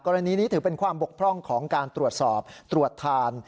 นี้ถือเป็นความบกพร่องของการตรวจสอบตรวจทาน